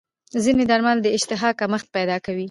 ځینې درمل د اشتها کمښت پیدا کوي.